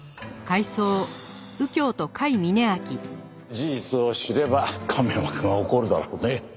事実を知れば亀山くんは怒るだろうね。